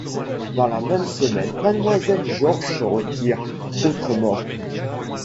Dans la même semaine, Mademoiselle George se retire : autre mort.